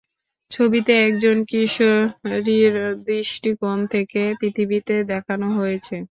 ছবিতে একজন কিশোরীর দৃষ্টিকোণ থেকে পৃথিবীকে দেখানো হয়েছে।